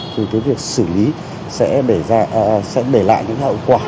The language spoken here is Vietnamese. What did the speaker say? thì cái việc xử lý sẽ để lại những hậu quả